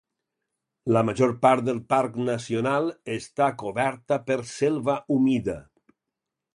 La major part del parc nacional està coberta per selva humida.